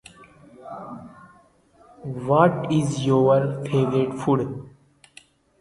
The cross crosslets came from the arms of the Diocese of Canterbury.